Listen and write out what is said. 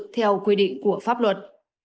theo quy định của pháp luật